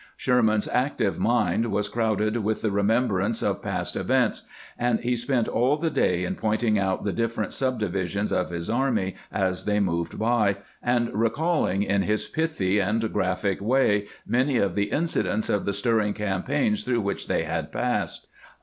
Sherman's active mind was crowded with the remem brance of past events, and he spent all the day in point ing out the different subdivisions of his army as they moved by, and recalling in his pithy and graphic way many of the incidents of the stirring campaigns through which they had passed.